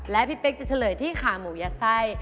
และพี่เป๊กจะเฉลยที่ขาหมูยัดไส้